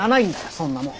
そんなもん。